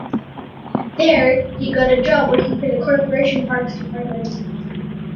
There, he got a job working for the Corporation Parks Department.